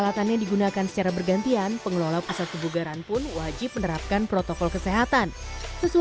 kita memiliki banyak anggota yang telah menjual peralatan dari kita juga